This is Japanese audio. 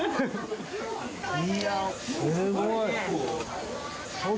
いやー、すごい。